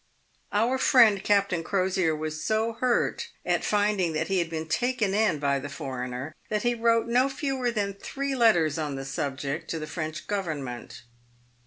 Our friend Captain Crosier was so hurt at finding that he had been " taken in" by the foreigner, that he wrote no fewer than three letters on the subject to the French Government.